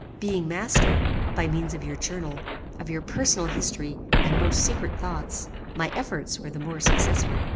Being master, by means of your journal, of your personal history and most secret thoughts, my efforts were the more successful.